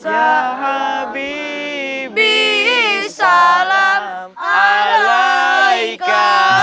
ya habibie salam alaika